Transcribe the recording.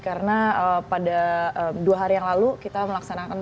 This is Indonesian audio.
karena pada dua hari yang lalu kita melaksanakan